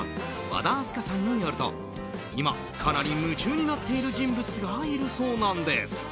和田明日香さんによると今、かなり夢中になっている人物がいるそうなんです。